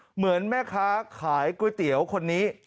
เหมือนแม่ค้าขายก๋วยเตี๋ยวคนนี้